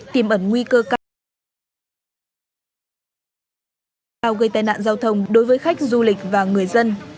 tìm ẩn nguy cơ cao gây tai nạn giao thông đối với khách du lịch và người dân